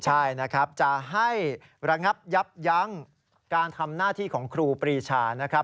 ใช่นะครับจะให้ระงับยับยั้งการทำหน้าที่ของครูปรีชานะครับ